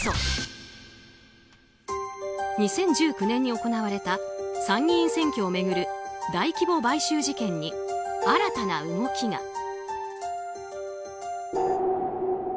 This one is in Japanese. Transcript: ２０１９年に行われた参議院選挙を巡る大規模買収事件に新たな動きが。